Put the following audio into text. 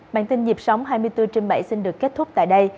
bản tin dịp sóng hai mươi bốn trên bảy xin được kết thúc tại đây